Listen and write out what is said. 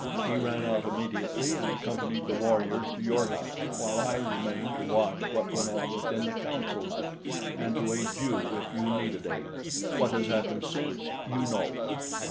He ran out immediately and accompanied the warriors to your hut while I remained to watch what went on within the council hut and to aid you if you needed aid. What has happened since you know."